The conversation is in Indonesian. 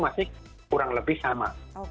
ini kurang lebih sama